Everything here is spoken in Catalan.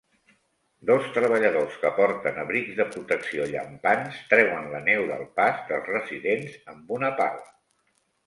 Dos treballadors que porten abrics de protecció llampants, treuen la neu del pas dels residents amb una pala.